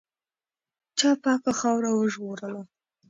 چا پاکه خاوره وژغورله؟